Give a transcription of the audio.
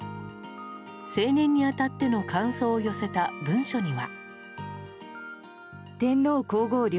成年に当たっての感想を寄せた文書には。